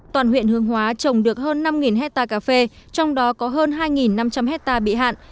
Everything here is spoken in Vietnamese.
toàn huyện hương hóa trồng được hơn năm hectare cà phê trong đó có hơn hai năm trăm linh hectare bị hạn